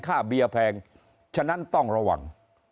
เบียร์แพงฉะนั้นต้องระวัง